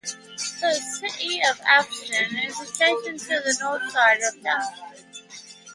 The city of Houghton is adjacent to the north side of the township.